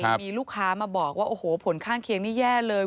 มีลูกค้ามาบอกว่าโอ้โหผลข้างเคียงนี่แย่เลย